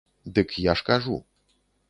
Дык я ж кажу.